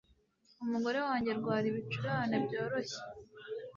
Umugore wanjye arwara ibicurane byoroshye